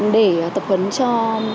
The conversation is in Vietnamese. để tập huấn cho